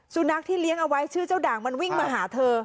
สุนัขที่เลี้ยงเอาไว้ชื่อเจ้าด่างมันวิ่งมาหาเธอ